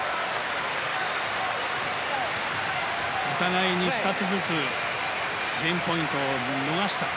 お互いに２つずつゲームポイントを逃した。